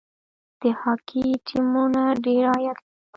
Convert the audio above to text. د هاکي ټیمونه ډیر عاید لري.